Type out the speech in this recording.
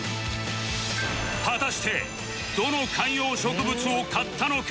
果たしてどの観葉植物を買ったのか？